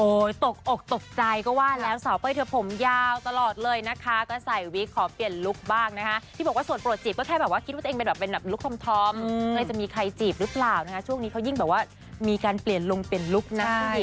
ตกอกตกใจก็ว่าแล้วสาวเป้ยเธอผมยาวตลอดเลยนะคะก็ใส่วิกขอเปลี่ยนลุคบ้างนะคะที่บอกว่าส่วนโปรดจีบก็แค่แบบว่าคิดว่าตัวเองเป็นแบบเป็นแบบลุคธอมใครจะมีใครจีบหรือเปล่านะคะช่วงนี้เขายิ่งแบบว่ามีการเปลี่ยนลงเปลี่ยนลุคนะ